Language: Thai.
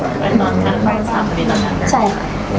ตอนคราว๓ปีตั้งนั้น